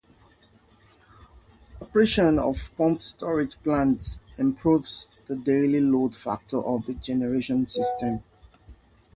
Operation of pumped-storage plants improves the daily load factor of the generation system.